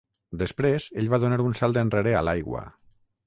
Després ell va donar un salt enrere a l'aigua.